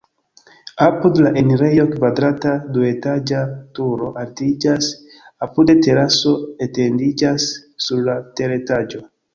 Apud la enirejo kvadrata duetaĝa turo altiĝas, apude teraso etendiĝas sur la teretaĝo.